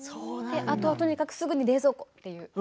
あとは、とにかくすぐに冷蔵庫。